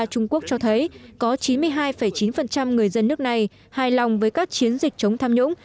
trung quốc cho thấy có chín mươi hai chín người dân nước này hài lòng với các chiến dịch chống tham nhũng